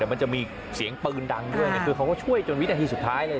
มันจะมีเสียงปืนดังด้วยคือเขาก็ช่วยจนวินาทีสุดท้ายเลย